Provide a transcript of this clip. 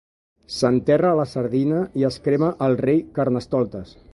S'enterra la sardina i es crema el rei Carnestoltes.